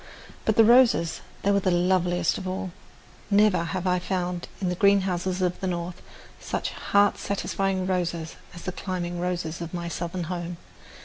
But the roses they were loveliest of all. Never have I found in the greenhouses of the North such heart satisfying roses as the climbing roses of my southern home.